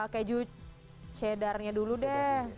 keju cheddar nya dulu deh